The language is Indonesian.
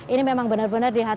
ini memang benar benar